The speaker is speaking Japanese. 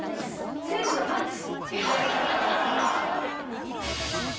選手のパンツ。